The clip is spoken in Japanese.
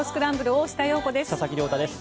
大下容子です。